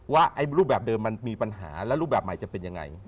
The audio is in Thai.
ว่ารูปแบบเดิมมันมีปัญหาและรูปแบบใหม่จะเป็นยังไง